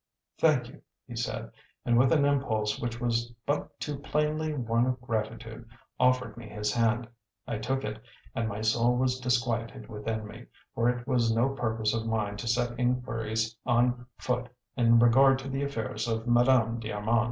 "Thank you," he said, and with an impulse which was but too plainly one of gratitude, offered me his hand. I took it, and my soul was disquieted within me, for it was no purpose of mine to set inquiries on foot in regard to the affairs of "Madame d'Armand."